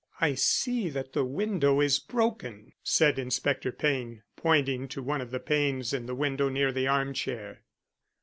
"I see that the window is broken," said Inspector Payne, pointing to one of the panes in the window near the arm chair.